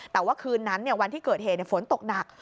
แต่ว่าคืนนั้นวันที่เกิดเหตุฝนตกหนัก